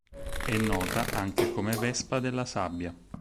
È nota anche come "Vespa della sabbia".